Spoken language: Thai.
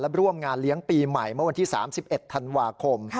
ร่วมงานเลี้ยงปีใหม่เมื่อวันที่๓๑ธันวาคม